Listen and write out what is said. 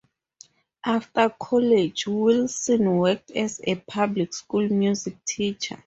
After college, Willson worked as a public-school music teacher.